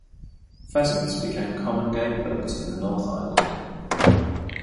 Pheasants became common game birds in the North Island.